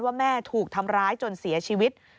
ว่าแม่ถูกทำร้ายจนเสียชีวิต